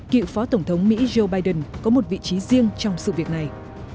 cựu phó tổng thống mỹ joe biden có một vị trí riêng trong sự việc này